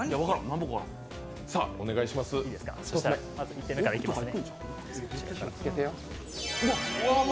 では１点目からいきますね。